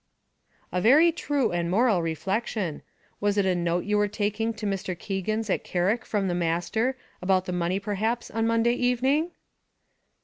"A very true and moral reflection. Was it a note you were taking to Mr. Keegan's at Carrick from the master, about the money perhaps, on Monday evening?"